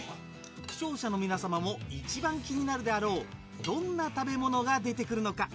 視聴者の皆様もいちばん気になるであろうどんな食べ物が出てくるのか？